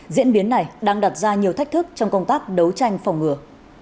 diễn biến này đang đặt ra nhiều thách thức trong công tác đấu tranh phòng ngừa